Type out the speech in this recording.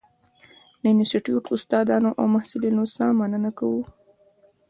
د انسټیټوت استادانو او محصلینو څخه مننه کوو.